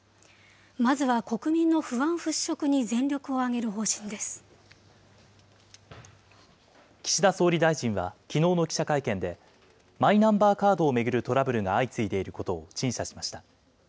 まずは国民の不安払拭に全力を挙岸田総理大臣は、きのうの記者会見で、マイナンバーカードを巡るトラブルが相次いでいることを陳謝しました。